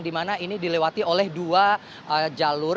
dimana ini dilewati oleh dua jalur